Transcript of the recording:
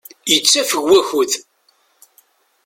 Yettafeg wakud.